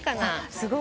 すごい。